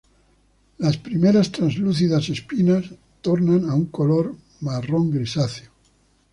Las primeras translúcidos espinas tornan a color marrón grisáceo.